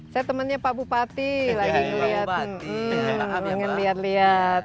saya temannya pak bupati lagi lihat